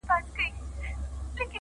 ماسومانو چي تلکه ایښودله,